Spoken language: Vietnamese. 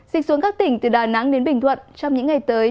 dịch xuống các tỉnh từ đà nẵng đến bình thuận trong những ngày tới